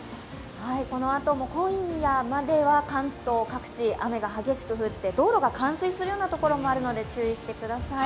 このあとも今夜までは関東各地、雨が激しく降って道路が冠水するような所もあるので注意してください。